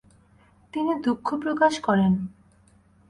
তিনি দুঃখ প্রকাশ করেন।